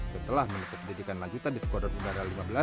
setelah menutup pendidikan lanjutan di skuadron udara lima belas